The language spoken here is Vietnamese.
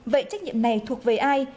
vậy trách nhiệm này thuộc về ai